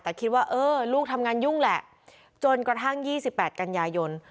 แต่คิดว่าเออลูกทำงานยุ่งแหละจนกระทั่ง๒๘กันยายน